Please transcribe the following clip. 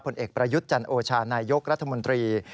ผลเอกประยุทธ์จันโอชานายกรัฐมนตรี